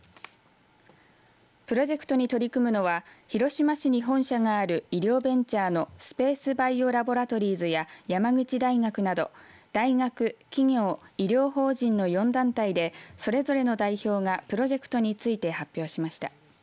プロジェクトに取り組むのは広島市に本社がある医療ベンチャーのスペース・バイオ・ラボラトリーズや山口大学など大学、企業、医療法人の４団体でそれぞれの代表がプロジェクトについて発表しました。